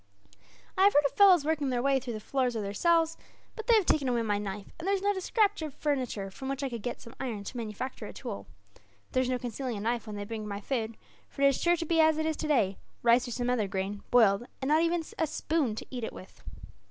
I have heard of fellows working their way through the floors of their cells; but they have taken away my knife, and there is not a scrap of furniture from which I could get some iron to manufacture a tool. There is no concealing a knife, when they bring my food; for it is sure to be as it is today rice, or some other grain, boiled, and not even a spoon to eat it with.